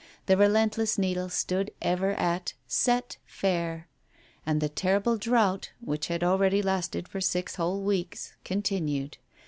The relentless needle stood ever at "set fair," and the terrible drought, which had already lasted for six whole weeks, continued.